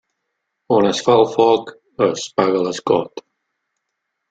On es fa el foc es paga l'escot.